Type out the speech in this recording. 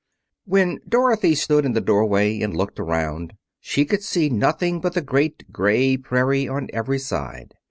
When Dorothy stood in the doorway and looked around, she could see nothing but the great gray prairie on every side.